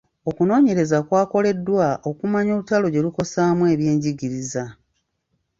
Okunoonyereza kwakoleddwa okumanya olutalo gye lukosaamu ebyenjigiriza.